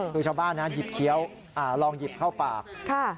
คือชาวบ้านนะหยิบเคี้ยวลองหยิบเข้าปาก